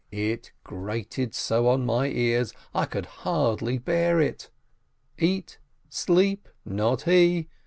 It grated so on my ears! I could hardly bear it. Eat? Sleep ? Not he